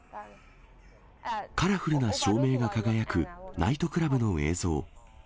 カラフルな照明が輝くナイトクラブの映像。